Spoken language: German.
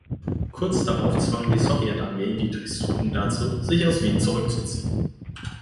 Kurz darauf zwang die Sowjetarmee Dietrichs Truppen dazu, sich aus Wien zurückzuziehen